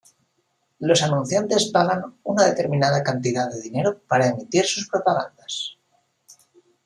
Los anunciantes pagan una determinada cantidad de dinero para emitir sus propagandas.